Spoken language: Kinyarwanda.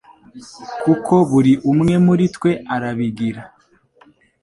kuko buri umwe muri twe arabigira